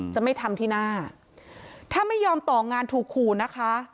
จะไม่ทำที่หน้าถ้าไม่ยอมต่องานถูกขู่นะคะ